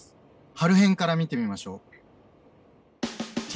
春編から見てみましょう。